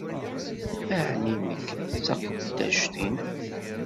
Ɛni nekk d taqeddact-nnem?